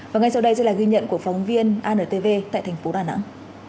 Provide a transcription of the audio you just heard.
và ngay sau đây sẽ là ghi nhận của phóng viên antv tại thành phố đà nẵng